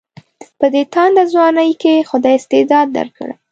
په دې تانده ځوانۍ کې خدای استعداد درکړی.